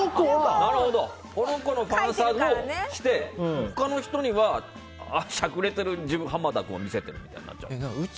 その子のファンサをして他の人にはしゃくれてる濱田君を見せてるみたいになっちゃう。